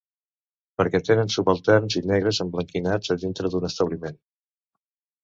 Perquè tenen subalterns i negres emblanquinats a dintre d'un establiment